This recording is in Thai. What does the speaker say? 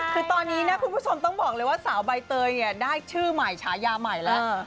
คือตอนนี้นะคุณผู้ชมต้องบอกเลยว่าสาวใบเตยเนี่ยได้ชื่อใหม่ฉายาใหม่แล้ว